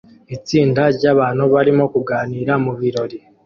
Itsinda ryabantu barimo kuganira mubirori